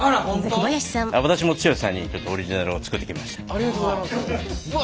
ありがとうございます！